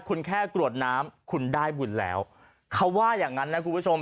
คุณแค่กรวดน้ำคุณได้บุญแล้วเขาว่าอย่างนั้นนะคุณผู้ชม